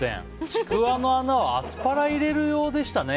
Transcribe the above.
ちくわの穴はアスパラ入れる用でしたね。